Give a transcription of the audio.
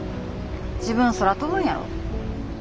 自分空飛ぶんやろ？